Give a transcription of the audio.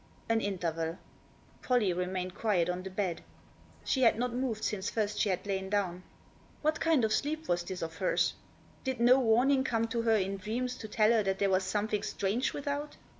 An interval. Pollie remained quiet on the bed. She had not moved since first she had lain down. What kind of sleep was this of hers ? Did no warning come to her in dreams to tell her that there was something strange without